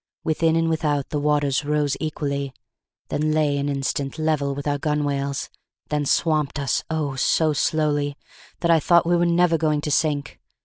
Within and without the waters rose equally then lay an instant level with our gunwales then swamped us, oh! so slowly, that I thought we were never going to sink.